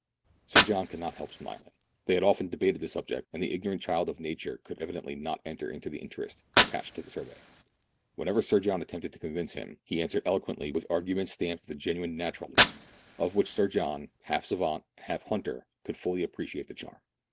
Sir John could not help smiling. They had often debated the subject, and the ignorant child ofnature could evidently not enter into the interest attached to the survey. When ever Sir John attempted to convince him, he answered eloquently with arguments stamped with a genuine natural ness, of which Sir John, haU savant and half hunter, could fully appreciate the charm.